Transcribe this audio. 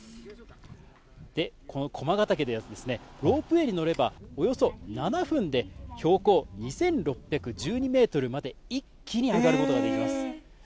この駒ヶ岳では、ロープウエーに乗れば、およそ７分で標高２６１２メートルまで一気に上がることができます。